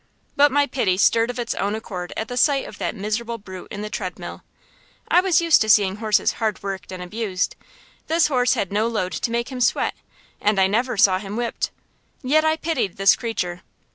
But my pity stirred of its own accord at the sight of that miserable brute in the treadmill. I was used to seeing horses hard worked and abused. This horse had no load to make him sweat, and I never saw him whipped. Yet I pitied this creature.